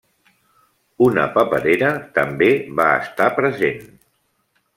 Una paperera també va estar present.